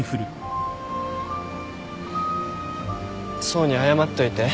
想に謝っといて。